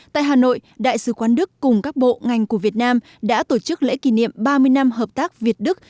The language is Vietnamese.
tại hà nội đại sứ quán đức cùng các bộ ngành của việt nam đã tổ chức lễ kỷ niệm ba mươi năm hợp tác việt đức